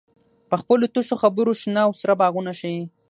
په خپلو تشو خبرو شنه او سره باغونه ښیې.